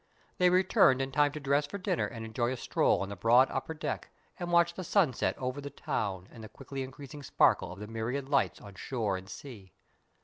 They returned in time to dress for dinner and enjoy a stroll on the broad upper deck, and watch the sunset over the town and the quickly increasing sparkle of the myriad lights on shore and sea.